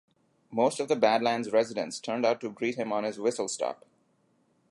Most of the Badlands' residents turned out to greet him on his whistle stop.